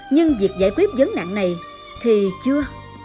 nhưng việc giải quyết vấn nạn này thì chưa